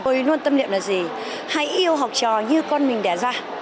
tôi luôn tâm niệm là gì hay yêu học trò như con mình đẻ ra